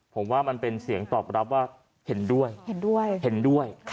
ผมว่ามันเป็นเสียงตอบรับว่าเห็นด้วย